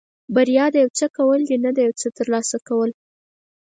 بریا د یو څه کول دي نه د یو څه ترلاسه کول.